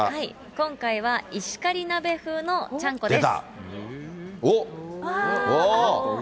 今回は、石狩鍋風のちゃんこです。